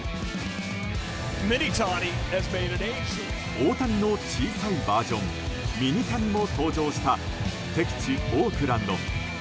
大谷の小さいバージョンミニタニも登場した敵地オークランド。